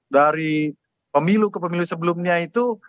dari pemilu ke pemilu sebelumnya itu